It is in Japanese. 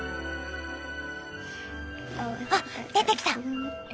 あっ出てきた。